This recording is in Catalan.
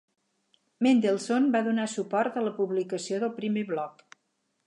Mendelssohn va donar suport a la publicació del primer bloc.